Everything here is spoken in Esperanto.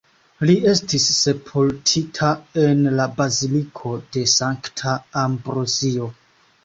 Li estis sepultita en la Baziliko de Sankta Ambrozio.